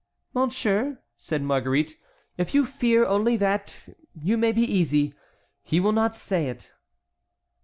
"Monsieur," said Marguerite, "if you fear only that, you may be easy. He will not say it."